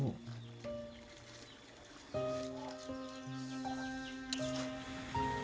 untuk menuntut ilmu